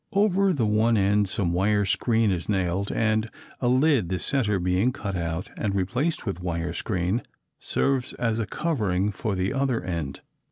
Over the one end some wire screen is nailed and a lid, the center being cut out and replaced with wire screen, serves as a covering for the other end.